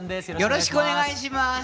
よろしくお願いします。